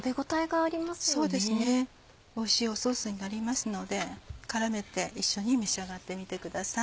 おいしいソースになりますので絡めて一緒に召し上がってみてください。